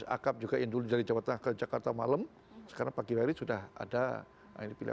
akap juga yang dulu dari jakarta malam sekarang pagi wari sudah ada